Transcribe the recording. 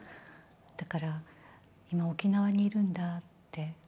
だから、今、沖縄にいるんだって。